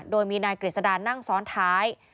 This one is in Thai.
โดยมีนายกฤษดานั่งซ้อนท้าย